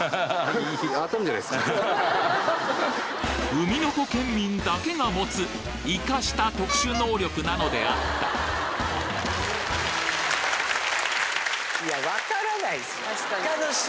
海の子県民だけが持つイカした特殊能力なのであったいや分からないですよ。